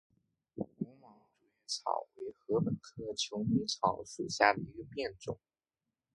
无芒竹叶草为禾本科求米草属下的一个变种。